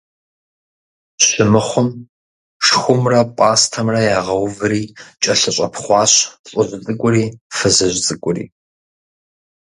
Щымыхъум – шхумрэ пӀастэмрэ ягъэуври кӀэлъыщӀэпхъуащ лӀыжь цӀыкӀури фызыжь цӀыкӀури.